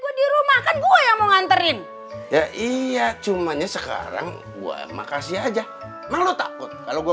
gue dirumahkan gue mau nganterin ya iya cumanya sekarang gua makasih aja kalau gue